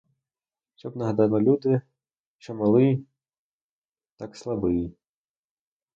Щоб не гадали люди, що малий, так слабий.